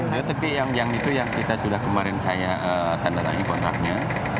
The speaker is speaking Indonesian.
ya tapi yang itu yang kita sudah kemarin saya tanda tangani kontraknya